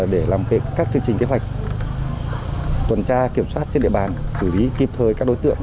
để làm các chương trình kế hoạch tuần tra kiểm soát trên địa bàn xử lý kịp thời các đối tượng